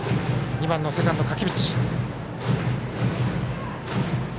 ２番のセカンド、垣淵。